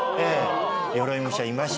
鎧武者いました。